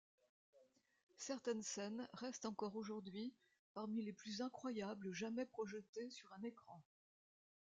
Certaines scènes restent encore aujourd’hui parmi les plus incroyables jamais projetées sur un écran.